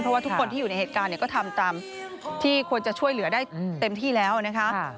เพราะว่าทุกคนที่อยู่ในเหตุการณ์ก็ทำตามที่ควรจะช่วยเหลือได้เต็มที่แล้วนะคะ